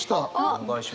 お願いします。